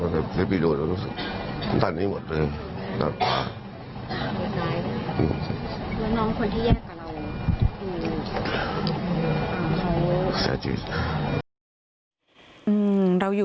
แต่พี่ดูแล้วรู้สึก